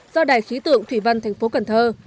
do đài khí tượng thủy văn tp cần thơ